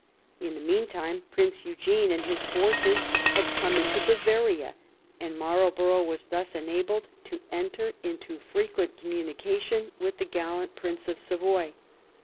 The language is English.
In the mean time Prince Eugene and his forces had come into Bavaria, and Marlborough was thus en abled to enter into frequent communication with the gallant Prince of Savoy.